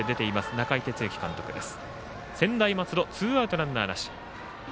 中井哲之監督です。